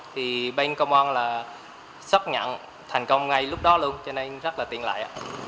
thì bên công an là sắp nhận thành công ngay lúc đó luôn cho nên rất là tiện lợi